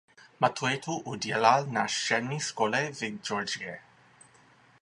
Maturitu udělal na střední škole v Georgii.